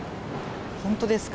本当ですか？